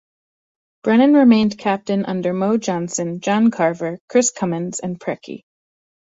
Brennan remained captain under Mo Johnston, John Carver, Chris Cummins and Preki.